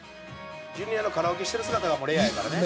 「ジュニアのカラオケしてる姿がもうレアやからね」